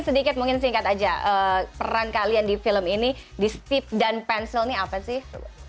sedikit mungkin singkat aja peran kalian di film ini di stip dan pensil ini apa sih